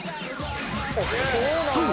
［そう。